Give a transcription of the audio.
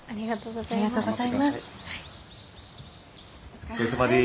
お疲れさまです。